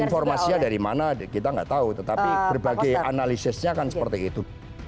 informasinya dari mana kita nggak tahu tetapi berbagai analisisnya akan seperti itu